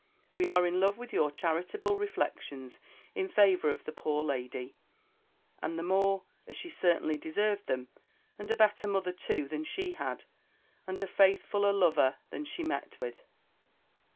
We are in love with your charitable reflections in favour of the poor lady; and the more, as she certainly deserved them, and a better mother too than she had, and a faithfuller lover than she met with.